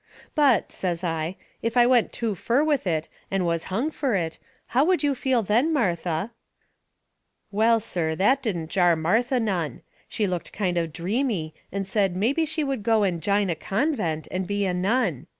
"But," says I, "if I went too fur with it, and was hung fur it, how would you feel then, Martha?" Well, sir, that didn't jar Martha none. She looked kind of dreamy and said mebby she would go and jine a convent and be a nun.